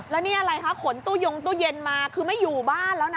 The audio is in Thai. แล้วนี่อะไรคะขนตู้ยงตู้เย็นมาคือไม่อยู่บ้านแล้วนะ